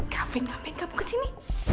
gavin ngapain kamu ke sini